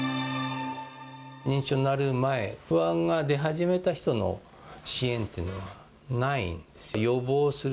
認知症になる前、不安が出始めた人の支援っていうのがないんですよ。